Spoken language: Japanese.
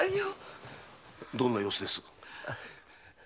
どんな様子です？